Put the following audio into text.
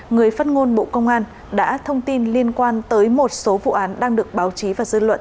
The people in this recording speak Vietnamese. người phát ngôn bộ công an đã thông tin liên quan tới một số vụ án đang được báo chí và dư luận